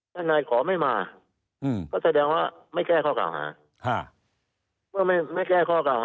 ถ้านายขอไม่มาก็แสดงว่าไม่แก้ข้อข่าวหา